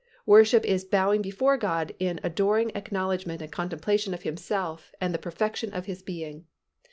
Worship is bowing before God in adoring acknowledgment and contemplation of Himself and the perfection of His being.